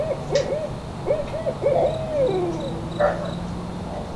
吕特克尔小时候在一个讲德语学校里学习。